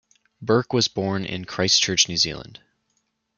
Burke was born in Christchurch, New Zealand.